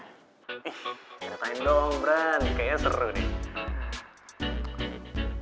ceritain dong brand kayaknya seru nih